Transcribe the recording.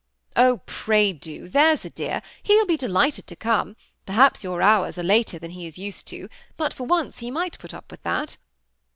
^ Oh I pray do, there's a dear ; he will be delighted to come : perhaps jour hours are later than he is used to ; but for once he might put up with that."